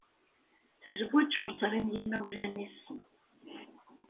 Tezweǧ ur ẓrin yimawlan-is.